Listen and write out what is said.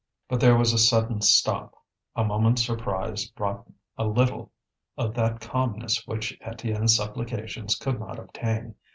But there was a sudden stop; a moment's surprise brought a little of that calmness which Étienne's supplications could not obtain.